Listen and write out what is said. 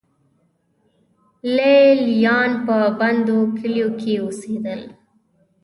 لې لیان په بندو کلیو کې اوسېدل.